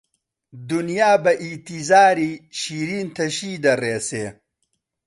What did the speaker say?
دونیا بە ئیتیزاری، شیرین تەشی دەڕێسێ